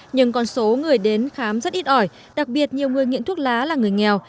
nhưng con số người đến khám rất ít ỏi đặc biệt nhiều người nghiện thuốc lá là người nghèo